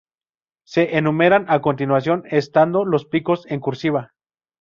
Se enumeran a continuación, estando los picos en cursiva.